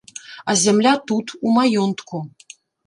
А зямля тут, у маёнтку.